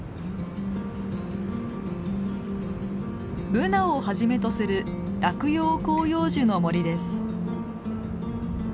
ブナをはじめとする落葉広葉樹の森です。